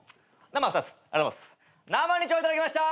生２丁いただきました。